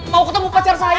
mau ketemu pacar saya